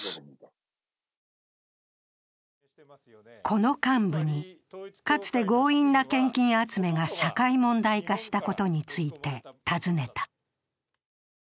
この幹部に、かつて強引な献金集めが社会問題化したことについて尋ねた。